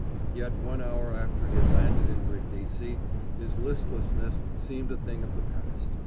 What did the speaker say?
Yet one hour after he had landed at Brindisi his listlessness seemed a thing of the past.